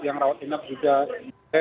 yang rawat enak juga bisa